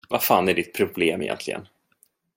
Vad fan är ditt problem egentligen?